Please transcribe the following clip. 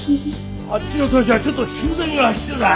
あっちの豚舎ちょっと修繕が必要だ。